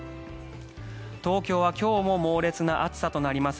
東京は今日も猛烈な暑さとなります。